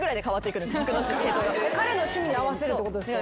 彼の趣味に合わせるってことでしょ？